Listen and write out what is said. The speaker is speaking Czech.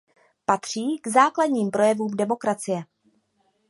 Patří k základním projevům demokracie.